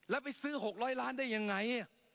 แล้วไปซื้อ๖๐๐ล้านได้ยังไง